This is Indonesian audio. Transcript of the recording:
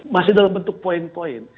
masih dalam bentuk poin poin